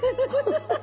ハハハ！